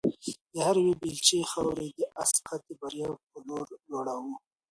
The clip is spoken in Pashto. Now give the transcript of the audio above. هرې یوې بیلچې خاورې د آس قد د بریا په لور لوړاوه.